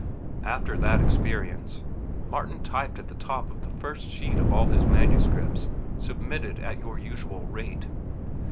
After that experience, Martin typed at the top of the first sheet of all his manuscripts: "Submitted at your usual rate."